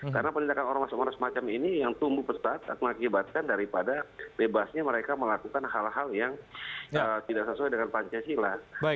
karena perlindakan orang orang semacam ini yang tumbuh pesat mengakibatkan daripada bebasnya mereka melakukan hal hal yang tidak sesuai dengan pancasila